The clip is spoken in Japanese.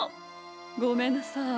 ごめんなさい。